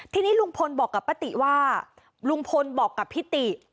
ทีนี้ลุงพลบอกกับป้าติว่าลุงพลบอกกับพิติ